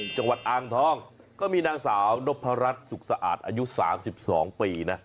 จังหวัดอ่างทองก็มีนางสาวนพรัชสุขสะอาดอายุ๓๒ปีนะ